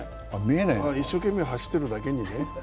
一生懸命走っているだけ。